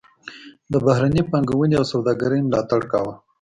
د بهرنۍ پانګونې او سوداګرۍ ملاتړ کاوه.